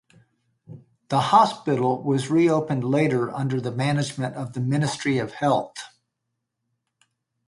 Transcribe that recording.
The hospital was reopened later under the management of the Ministry of Health.